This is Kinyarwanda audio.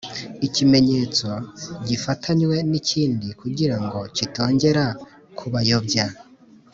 ikimenyetso gifatanywe nikindi kugira ngo kitongera kubayobya